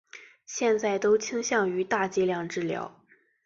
现在都倾向于大剂量治疗。